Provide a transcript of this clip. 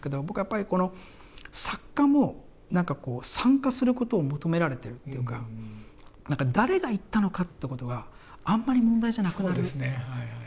僕はやっぱり作家も参加することを求められているっていうか誰が言ったのかっていうことがあんまり問題じゃなくなる。